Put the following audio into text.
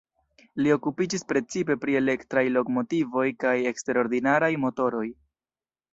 Li okupiĝis precipe pri elektraj lokomotivoj kaj eksterordinaraj motoroj.